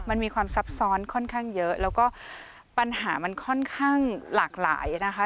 มันมีความซับซ้อนค่อนข้างเยอะแล้วก็ปัญหามันค่อนข้างหลากหลายนะคะ